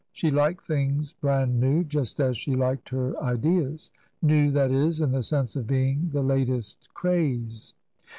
She liked things brand new, just as she liked her ideas; new, that is, in the sense of being the latest craze.